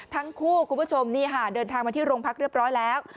คุณผู้ชมนี่ค่ะเดินทางมาที่โรงพักเรียบร้อยแล้ว